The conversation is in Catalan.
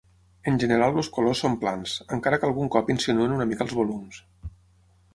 En general els colors són plans, encara que algun cop insinuen una mica els volums.